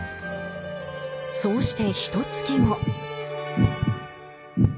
そうしてひとつき後。